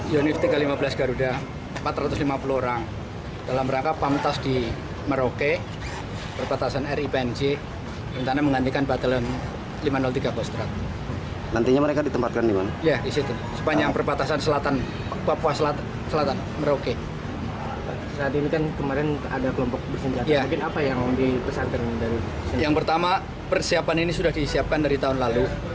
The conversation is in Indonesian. yang pertama persiapan ini sudah disiapkan dari tahun lalu